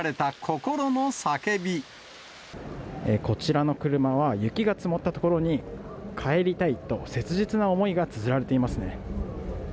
こちらの車は、雪が積もった所に、帰りたいと、切実な思いがつづられていますね。